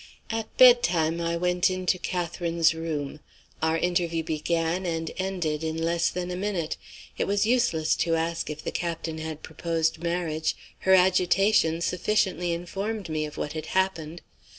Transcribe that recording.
"At bed time I went into Catherine's room. Our interview began and ended in less than a minute. It was useless to ask if the Captain had proposed marriage; her agitation sufficiently informed me of what had happened.